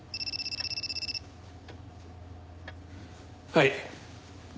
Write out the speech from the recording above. はい。